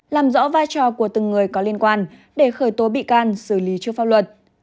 làm rõ vai trò của từng người có liên quan để khởi tố bị can xử lý trước pháp luật